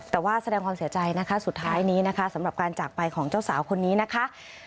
แต่ว่าแสดงความเสียใจนะคะสุดท้ายนี้นะคะสำหรับการจากไปของเจ้าสาวคนนี้นะคะ